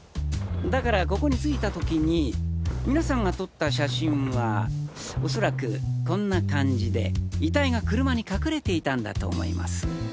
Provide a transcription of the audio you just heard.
だからここに着いた時に皆さんが撮った写真は恐らくこんな感じで遺体が車に隠れていたんだと思います。